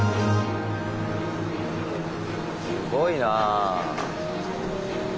すごいな。